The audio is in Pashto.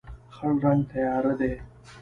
خړ رنګ تیاره دی.